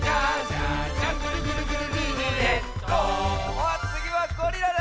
おっつぎはゴリラだ！